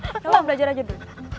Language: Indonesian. ya allah belajar aja dulu